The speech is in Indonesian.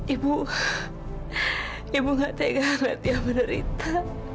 ibu ibu nggak tega tega menderita